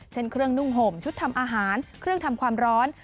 เช่นเครื่องนุ่งห่มชุดทำอาหารเครื่องทำความร้อน